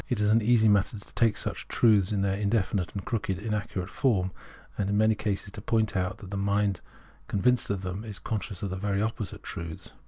It is an easy matter to take such truths in their indefinite and crooked inaccurate form, and in many cases to point out that the mind convinced of them is conscious of the very opposite truths.